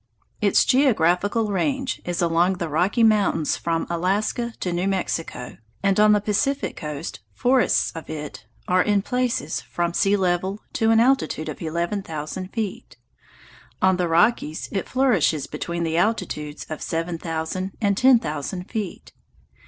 Its geographical range is along the Rocky Mountains from Alaska to New Mexico, and on the Pacific coast forests of it are, in places, found from sea level to an altitude of eleven thousand feet. On the Rockies it flourishes between the altitudes of seven thousand and ten thousand feet.